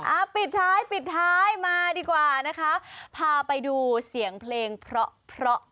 ปิดท้ายปิดท้ายมาดีกว่านะคะพาไปดูเสียงเพลงเพราะเพราะ